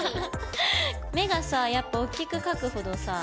目がさやっぱおっきく描くほどさ。